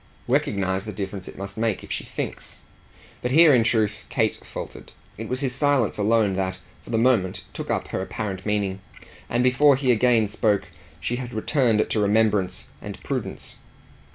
"Recognise the difference it must make if she thinks." But here in truth Kate faltered. It was his silence alone that, for the moment, took up her apparent meaning; and before he again spoke she had returned to remembrance and prudence.